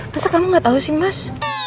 masa kamu gak tau sih mas